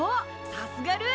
さすがルー！